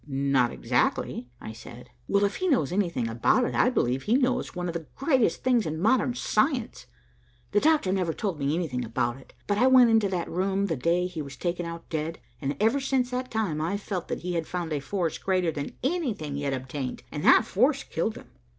"Not exactly," I said. "Well if he knows anything about it, I believe he knows one of the greatest things in modern science. The Doctor never told me anything about it, but I went into that room the day he was taken out dead, and ever since that time I've felt that he had found a force greater than anything yet obtained, and that that force killed him."